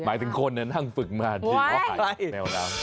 หมายถึงคนนั่งฝึกมาที่หายแมวน้ำ